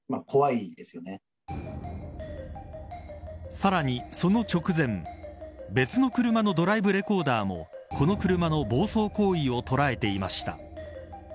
さらに、その直前別の車のドライブレコーダーもこの車の暴走行為を捉えていました。